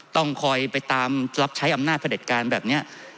ต้องคอยไปตามรับใช้อำนาจพระเด็จการแบบนี้